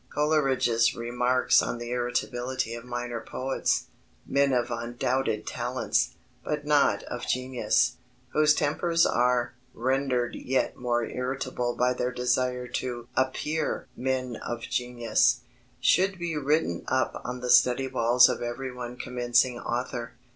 Coleridge's remarks on the irritability of minor poets "men of undoubted talents, but not of genius," whose tempers are "rendered yet more irritable by their desire to appear men of genius" should be written up on the study walls of everyone commencing author.